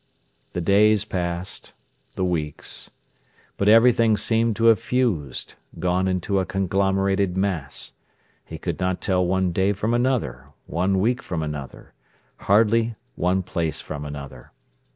The days passed, the weeks. But everything seemed to have fused, gone into a conglomerated mass. He could not tell one day from another, one week from another, hardly one place from another.